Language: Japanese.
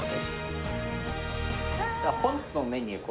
本日のメニュー